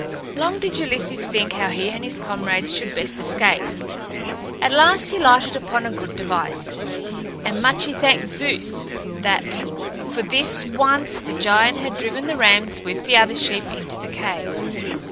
Long did Ulysses think how he and his comrades should best escape. At last he lighted upon a good device, and much he thanked Zeus for that this once the giant had driven the rams with the other sheep into the cave.